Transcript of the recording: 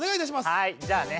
はいじゃあね